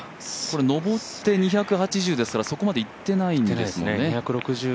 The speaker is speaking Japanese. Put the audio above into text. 上って２８０ですから、そこまでいってないんですね。